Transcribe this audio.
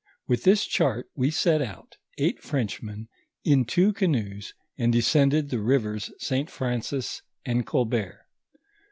With this chart, we set out, eight Frenchmen, in two canoes, and de scended the rivers St. Francis and Colbert.